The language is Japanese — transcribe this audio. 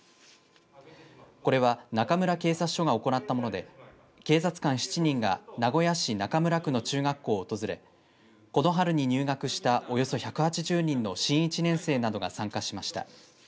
これは中村警察署が行ったもので警察官７人が名古屋市中村区の中学校を訪れこの春に入学したおよそ１８０人の新１年生などが参加しました。